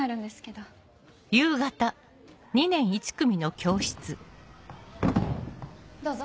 どうぞ。